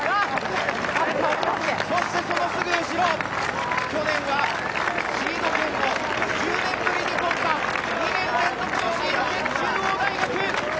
そして、そのすぐ後ろ去年はシード権を１０年ぶりに取った２年連続のシード権、中央大学！